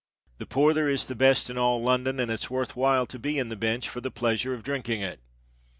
The porther is the best in all London; and it's worth while to be in the Binch for the pleasure of dhrinking it.